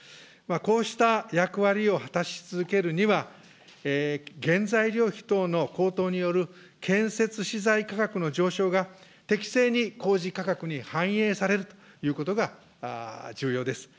こうした役割を果たし続けるには、原材料費等の高騰による建設資材価格の上昇が、適正にこうじ価格に反映されるということが重要です。